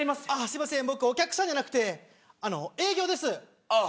すいません僕、お客さんじゃなくて営業です。